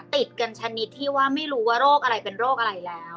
ติดกันชนิดที่ว่าไม่รู้ว่าโรคอะไรเป็นโรคอะไรแล้ว